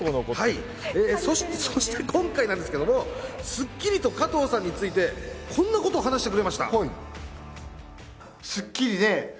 そして今回なんですけれども『スッキリ』と加藤さんについてこんなことを話してくれました。